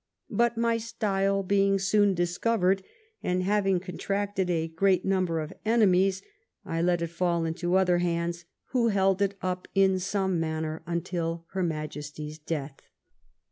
But my stile being soon discovered, and having contracted a great number of enemies, I let it fall into other hands, who held it up in some manner until her Majesty's death."